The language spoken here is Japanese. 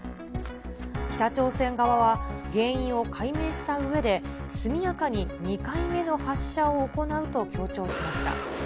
北朝鮮側は、原因を解明したうえで、速やかに２回目の発射を行うと強調しました。